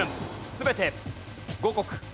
全て五穀。